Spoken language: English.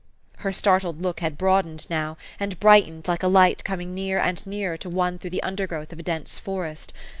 Her startled look had broadened now, and bright ened, like a light coming near and nearer to one through the undergrowth of a dense forest.